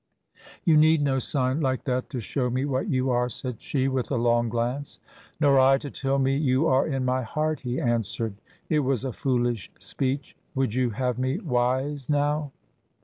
"You need no sign like that to show me what you are," said she, with a long glance. "Nor I to tell me you are in my heart," he answered. "It was a foolish speech. Would you have me wise now?"